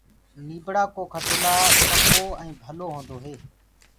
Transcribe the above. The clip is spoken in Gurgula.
نيٚڀڙآ ڪو کٽولآ پڪو ائينٚ ڀلو هونٚدو هي